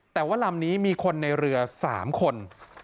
แต่ว่าลำนี้มีคนในเรือ๓คน